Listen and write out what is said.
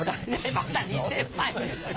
また２０００万円。